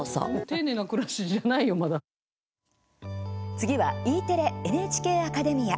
次はＥテレ「ＮＨＫアカデミア」。